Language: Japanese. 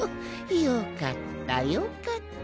よかったよかった。